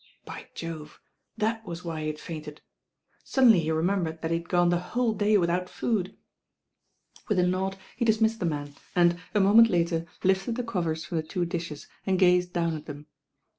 By Jove, that was why he had fainted I Suddenly he remembered that he had gone the whole day without food. With a nod he dismissed the man and, a moment later, lifted the covers from the two dishes and gazed down at them.